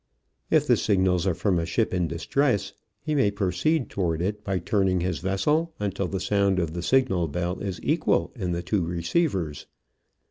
If the signals are from a ship in distress he may proceed toward it by turning his vessel until the sound of the signal bell is equal in the two receivers.